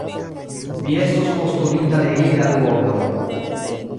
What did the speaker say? Mi estus postulinta de ili la duoblon.